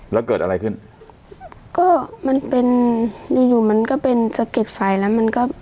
แล้วเกิดอะไรขึ้นก็มันเป็นอยู่อยู่มันก็เป็นสะเก็ดไฟแล้วมันก็